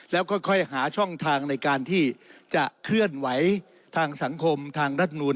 แล้วค่อยหาช่องทางในการที่จะเคลื่อนไหวทางสังคมทางรัฐนูล